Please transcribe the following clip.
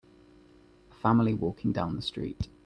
A family walking down the street.